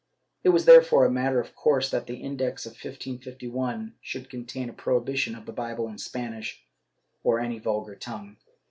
^ It was therefore a matter of course that the Index of 1551 should contain a prohibition of the Bible in Spanish or any other vulgar tongue.